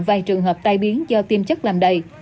vài trường hợp tai biến do tiêm chất làm đầy